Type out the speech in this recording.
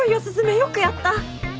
よくやった！